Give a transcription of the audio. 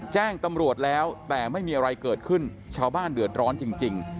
แจ้งตำรวจแล้วแต่ไม่มีอะไรเกิดขึ้นชาวบ้านเดือดร้อนจริง